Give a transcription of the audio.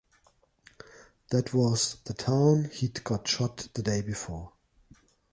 That was the town he’d got shot the day before.